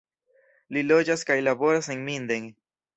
Li loĝas kaj laboras en Minden.